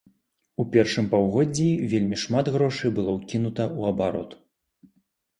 У першым паўгоддзі вельмі шмат грошай было ўкінута ў абарот.